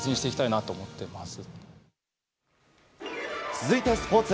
続いて、スポーツ。